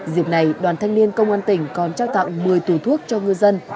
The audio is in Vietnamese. dịp này đoàn thanh niên công an tỉnh còn trao tặng một mươi tùy thuốc cho ngư dân